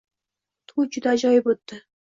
To`y juda ajoyib o`tdi